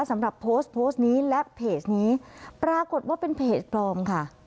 สำหรับโพสต์โพสต์นี้และเพจนี้ปรากฏว่าเป็นเพจปลอมค่ะ